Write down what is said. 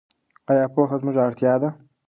ایا پوهه زموږ اړتیا ده؟